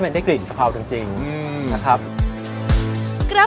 คือที่จะใส่กะเพราเยอะแล้วก็ให้มันได้กลิ่นกะเพราจริงนะครับ